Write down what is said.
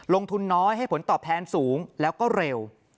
ลงทุนน้อยให้ผลตอบแทนสูงแล้วก็เร็ว